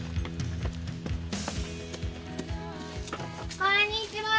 こんにちは！